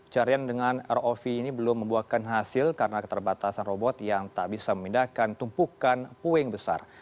carian dengan rov ini belum membuahkan hasil karena keterbatasan robot yang tak bisa memindahkan tumpukan puing besar